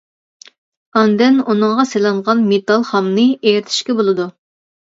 ئاندىن ئۇنىڭغا سېلىنغان مېتال خامنى ئېرىتىشكە بولىدۇ.